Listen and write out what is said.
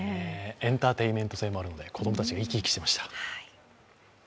エンターテインメント性もあるので子供たちが生き生きしていました。